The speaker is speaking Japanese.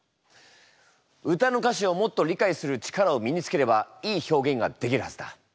歌の歌詞をもっと理解する力を身につければいい表現ができるはずだ。